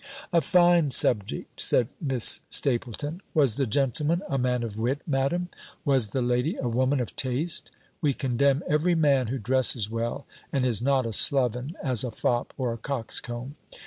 "A fine subject," said Miss Stapylton. "Was the gentleman a man of wit, Madam? Was the lady a woman of taste?" we condemn every man who dresses well, and is not a sloven, as a fop or a coxcomb?"